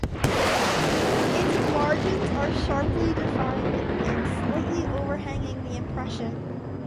Its margins are sharply defined and slightly overhanging the impression.